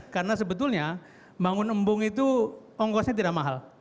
karena sebetulnya bangun embung itu ongkosnya tidak mahal